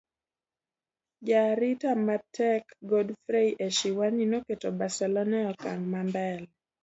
jaarita matek Godfrey Eshiwani noketo Barcelona e okang' ma mbele